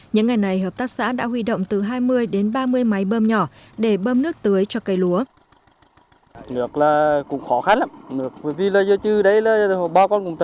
những ngày này hợp tác xã đã huy động từ hai mươi đến ba mươi máy bơm nhỏ để bơm nước tưới cho cây lúa